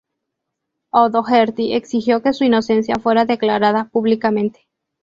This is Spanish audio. O'Doherty exigió que su inocencia fuera declarada públicamente.